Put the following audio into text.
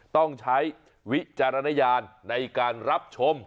ต้องใช้วิจารณญาณในการรับชม